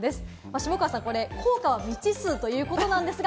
下川さん、効果は未知数ということなんですが。